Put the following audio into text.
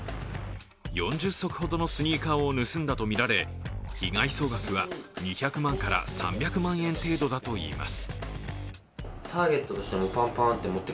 ４０足ほどのスニーカーを盗んだとみられ、被害総額は２００万から３００万程度だといいます。